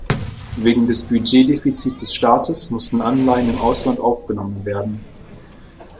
Wegen des Budgetdefizit des Staates mussten Anleihen im Ausland aufgenommen werden.